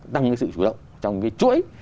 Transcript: tăng những sự chủ động trong cái chuỗi